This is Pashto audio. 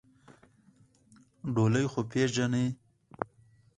ډولۍ خو پېژنې؟